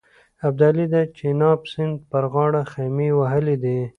ابدالي د چیناب سیند پر غاړه خېمې وهلې دي.